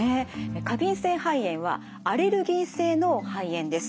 過敏性肺炎はアレルギー性の肺炎です。